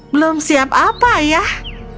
belum siap apa ayah